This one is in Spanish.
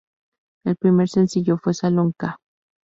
El primer sencillo fue "Salón k".